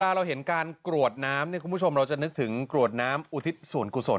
เราเห็นการกรวดน้ำเนี่ยคุณผู้ชมเราจะนึกถึงกรวดน้ำอุทิศส่วนกุศล